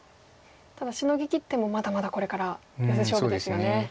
ただシノぎきってもまだまだこれからヨセ勝負ですよね。